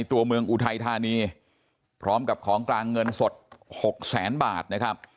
ตัวเมืองอุทัยธานีพร้อมกับของกลางเงินสดหกแสนบาทนะครับ